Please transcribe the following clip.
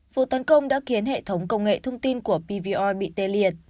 vụ tấn công đã khiến hệ thống công nghệ thông tin của pvoi bị tê liệt